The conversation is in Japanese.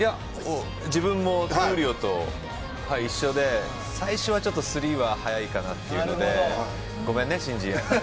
自分も闘莉王と一緒で最初はちょっと３は早いかなというのでごめんね、伸二。